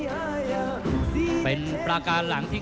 ท่านแรกครับจันทรุ่ม